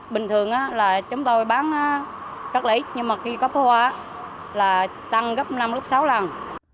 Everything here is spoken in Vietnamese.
bình thường là chúng tôi bán rất là ít nhưng mà khi có pháo hoa là tăng gấp năm sáu lần